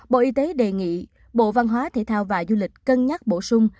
bộ y tế đề nghị bộ văn hóa thể thao và du lịch cân nhắc bổ sung